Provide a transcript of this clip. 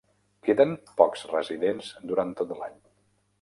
Queden pocs residents durant tot l'any.